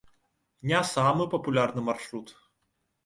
Не самы папулярны маршрут.